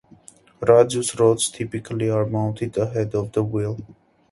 Radius rods typically are mounted ahead of the wheel.